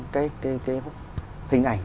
cái hình ảnh